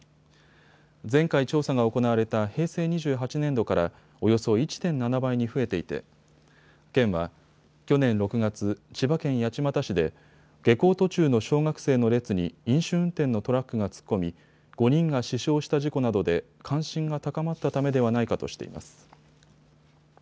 前回調査が行われた平成２８年度からおよそ１．７倍に増えていて県は去年６月、千葉県八街市で下校途中の小学生の列に飲酒運転のトラックが突っ込み、５人が死傷した事故などで関心が高まったためではないかとしています。